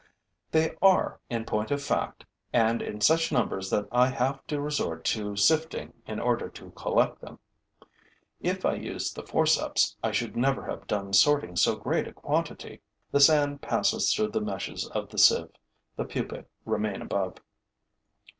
They are, in point of fact, and in such numbers that I have to resort to sifting in order to collect them. If I used the forceps, I should never have done sorting so great a quantity. The sand passes through the meshes of the sieve, the pupae remain above.